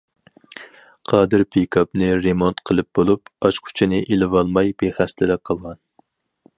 قادىر پىكاپنى رېمونت قىلىپ بولۇپ، ئاچقۇچىنى ئېلىۋالماي بىخەستەلىك قىلغان.